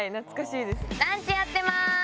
ランチやってます！